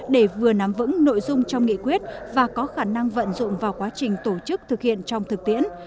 để vừa nắm vững nội dung trong nghị quyết và có khả năng vận dụng vào quá trình tổ chức thực hiện trong thực tiễn